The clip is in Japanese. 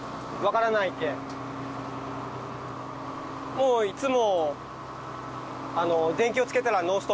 もういつも。